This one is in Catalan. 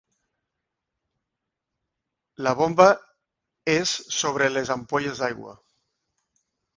La bomba és sobre les ampolles d'aigua.